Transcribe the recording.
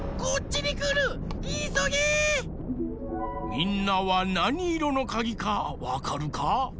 みんなはなにいろのかぎかわかるか？